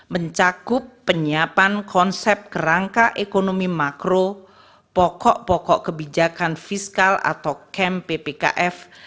mencakup penyiapan konsep kerangka ekonomi makro pokok pokok kebijakan fiskal atau camp ppkf